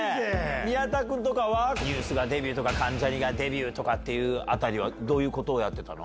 宮田君はＮＥＷＳがデビューとか関ジャニがデビューってあたりどういうことをやってたの？